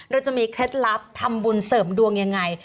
เราจะมีเคล็ดลับทำบุญเสริมดวงยังไง